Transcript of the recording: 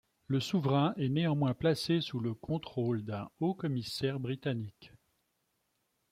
Le souverain est néanmoins placé sous le contrôle d'un Haut-commissaire britannique.